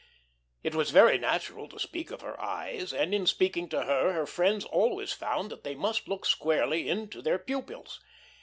It was very natural to speak of her eyes, and in speaking to her, her friends always found that they must look squarely into their pupils.